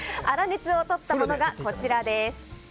粗熱をとったものがこちらです。